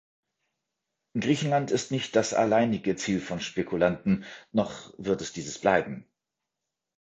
Griechenland ist nicht das alleinige Ziel von Spekulanten, noch wird es dieses bleiben.